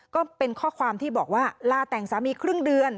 ก็เป็นข้อความที่บอกว่าลาแต่งสามีครึ่งเดือน